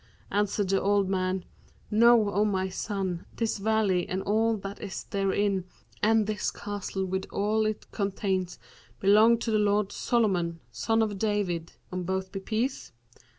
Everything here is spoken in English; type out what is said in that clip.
Answered the old man, 'Know, O my son, this valley and all that is therein and this castle with all it containeth belong to the lord Solomon, son of David (on both be peace!).